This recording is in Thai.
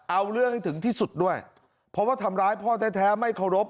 เอาเรื่องให้ถึงที่สุดด้วยเพราะว่าทำร้ายพ่อแท้ไม่เคารพ